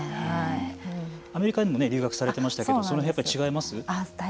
アメリカにも留学されてますけどその辺は違いますか。